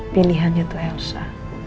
pilihannya tuh elsa